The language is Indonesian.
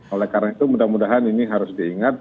oleh karena itu mudah mudahan ini harus diingat